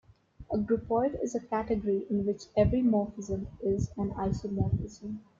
A groupoid is a category in which every morphism is an isomorphism.